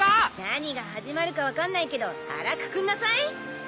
何が始まるか分かんないけど腹くくんなさい。